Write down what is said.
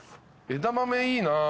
枝豆いいなぁ。